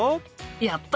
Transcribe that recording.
やった！